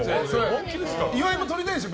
岩井さんもとりたいんでしょ。